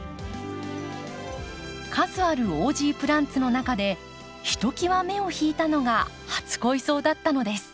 数あるオージープランツの中でひときわ目を引いたのが初恋草だったのです。